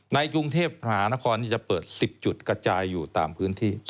ในกรุงเทพมหานครจะเปิด๑๐จุดกระจายอยู่ตามพื้นที่